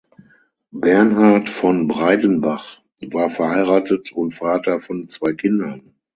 Bernhard von Breidenbach war verheiratet und Vater von zwei Kindern.